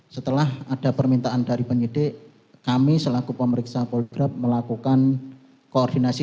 setelah ada permintaan dari penyidik kami selaku pemeriksa poligraf melakukan koordinasi